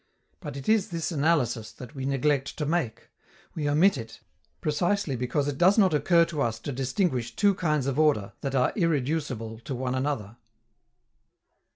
But it is this analysis that we neglect to make. We omit it, precisely because it does not occur to us to distinguish two kinds of order that are irreducible to one another.